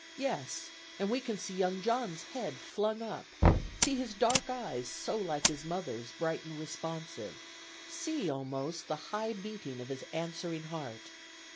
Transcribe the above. Yes, and we can see young John's head flung up, see his dark eyes, so like his mother's, brighten responsive, see, almost, the high beating of his answering heart.